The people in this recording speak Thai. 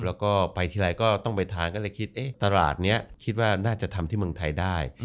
แล้วก็ไปทีไรก็ต้องไปทานก็เลยคิดตลาดนี้คิดว่าน่าจะทำที่เมืองไทยได้